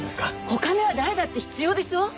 お金は誰だって必要でしょう？